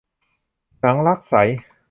หนังรักใส